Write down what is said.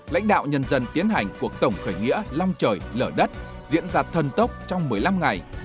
lãnh đạo nhân dân tiến hành cuộc tổng khởi nghĩa long trời lở đất diễn ra thần tốc trong một mươi năm ngày